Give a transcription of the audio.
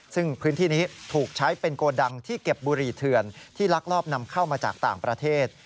ซึ่งพื้นที่นี้ถูกใช้เป็นโกดังที่เก็บบุหรี่เถื่อนที่ลักลอบนำเข้ามาจากต่างประเทศ